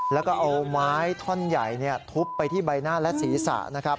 แล้วก็เอาไม้ท่อนใหญ่ทุบไปที่ใบหน้าและศีรษะนะครับ